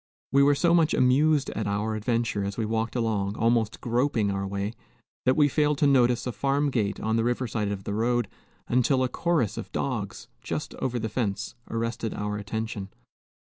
We were so much amused at our adventure, as we walked along, almost groping our way, that we failed to notice a farm gate on the river side of the road, until a chorus of dogs, just over the fence, arrested our attention.